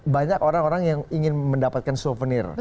banyak orang orang yang ingin mendapatkan souvenir